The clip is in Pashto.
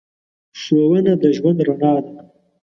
ښوونه د ژوند رڼا ده.